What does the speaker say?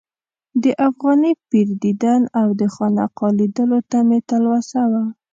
د افغاني پیر دیدن او د خانقا لیدلو ته مې تلوسه وه.